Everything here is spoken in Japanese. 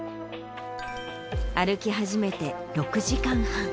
歩き始めて６時間半。